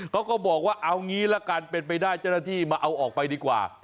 ก็บอกว่าเอางี้ละกันเป็นไปได้เจ้าหน้าที่มาเอาออกไปดีกว่า